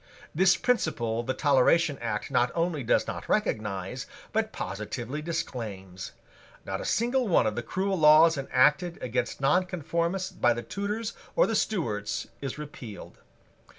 This principle the Toleration Act not only does not recognise, but positively disclaims. Not a single one of the cruel laws enacted against nonconformists by the Tudors or the Stuarts is repealed.